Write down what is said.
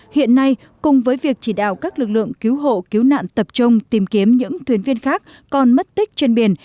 hiện nay cùng với việc chỉ đạo các lực lượng cứu hộ cứu nạn tập trung tìm kiếm những thuyền viên khác còn mất tích trên biển